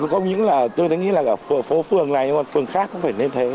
không những là tôi nghĩ là cả phố phường này phường khác cũng phải lên thế